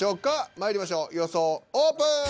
まいりましょう予想オープン。